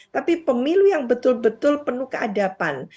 tapi pemilu yang betul betul penuh keadapan